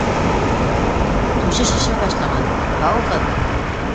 Түше шешә башлаған, һауығыҙ!